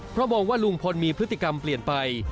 เพราะมองว่าลุงพลมีพฤติกรรมเปลี่ยนไป